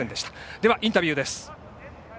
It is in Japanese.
ではインタビューです。